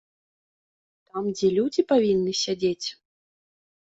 Там, дзе людзі павінны сядзець?